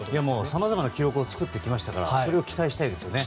さまざまな記録を作ってきましたから期待したいですね。